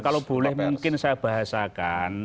kalau boleh mungkin saya bahasakan